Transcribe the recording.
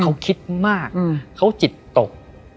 เขาคิดมากเขาจิตตก